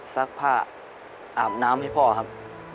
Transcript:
ซักผ้าอาบน้ำให้พ่อครับ